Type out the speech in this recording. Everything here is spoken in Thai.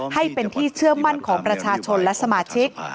ให้เป็นที่เชื่อมั่นของประชาชนและสมาชิก